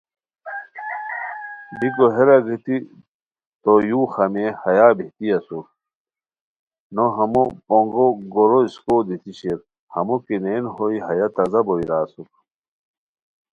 بیکو ہیرا گیتی تو یو خامئے ہیہ بہتی اسور نو ہمو پونگو گورو اسکوؤ دیتی شیر ہمو کی نین ہوئے ہیہ تازہ بوئے را اسور